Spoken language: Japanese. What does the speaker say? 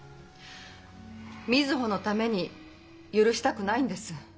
瑞穂のために許したくないんです。